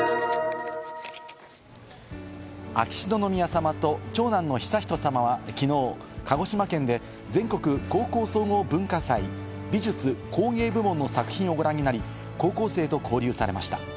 秋篠宮さまと長男の悠仁さまはきのう、鹿児島県で全国高校総合文化祭、美術・工芸部門の作品をご覧になり、高校生と交流されました。